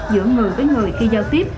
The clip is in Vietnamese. giữa người với người khi giao tiếp